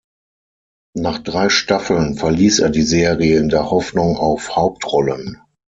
Nach drei Staffeln verließ er die Serie in der Hoffnung auf Hauptrollen.